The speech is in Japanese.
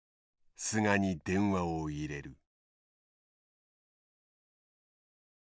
菅に電話を入れる。